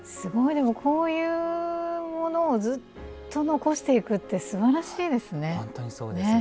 こういうものをずっと残していくってすばらしいですね。